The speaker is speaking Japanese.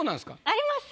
あります。